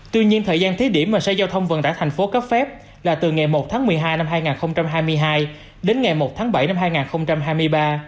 tuy nhiên thời gian thí điểm mà sở giao thông vận tải thành phố cấp phép là từ ngày một tháng một mươi hai năm hai nghìn hai mươi hai đến ngày một tháng bảy năm hai nghìn hai mươi ba